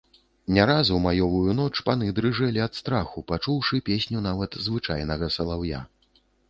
Не раз у маёвую ноч паны дрыжэлі ад страху, пачуўшы песню нават звычайнага салаўя.